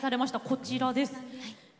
こちらです。